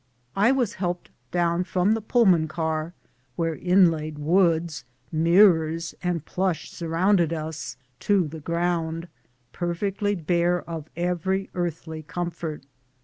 I was helped down from the Pullman car, where inlaid woods, mirrors, and plush surrounded us, to the ground, perfectly bare of every earthly comfort.